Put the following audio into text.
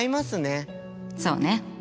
そうね。